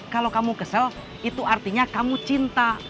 kalau kamu kesel itu artinya kamu cinta